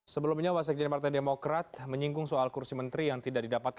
sebelumnya wasik jenderal partai demokrat menyingkung soal kursi menteri yang tidak didapatkan